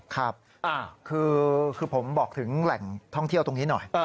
ครับคือผมบอกถึงแหล่งท่องเที่ยวตรงนี้หน่อย